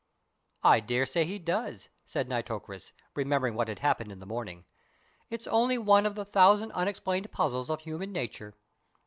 "I dare say he does," said Nitocris, remembering what had happened in the morning; "it's only one of the thousand unexplained puzzles of human nature.